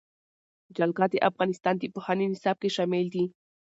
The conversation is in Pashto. جلګه د افغانستان د پوهنې نصاب کې شامل دي.